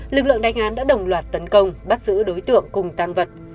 lực lượng đánh án đã đồng loạt tấn công bắt giữ đối tượng cùng tăng vật